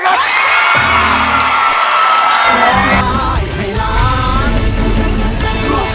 ประโยชน์แรก